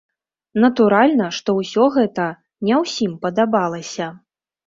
Натуральна, што ўсё гэта не ўсім падабалася.